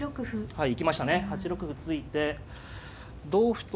はい。